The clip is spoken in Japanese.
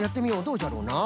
どうじゃろうな？